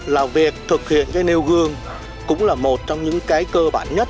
là việc thực hiện cái nêu gương cũng là một trong những cái cơ bản nhất